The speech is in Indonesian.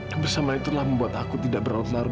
kebersamaan itulah yang membuat aku tidak berolah olah